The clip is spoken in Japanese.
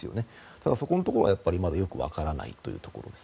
ただそこのところがまだよくわからないというところです。